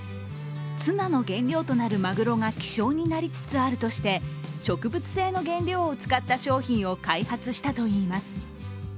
ツナの原料となるまぐろが希少になりつつあるとして植物性の原料を使った商品を開発したといいます。